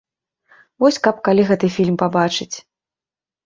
Вось каб калі гэты фільм пабачыць?!